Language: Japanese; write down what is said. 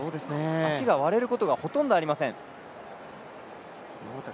足が割れることがほとんどありません。